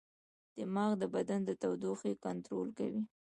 دماغ د بدن د تودوخې کنټرول کوي.